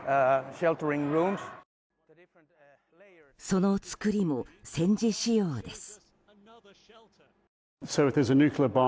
その造りも戦時仕様です。